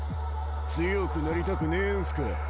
強くなりたくねえんすか？